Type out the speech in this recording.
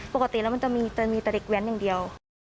ปกติแล้วมันจะมีแต่เด็กแว้นอย่างเดียว